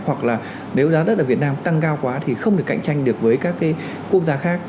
hoặc là nếu giá đất ở việt nam tăng cao quá thì không được cạnh tranh được với các quốc gia khác